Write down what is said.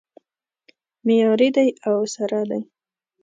معیاري دی او سره دی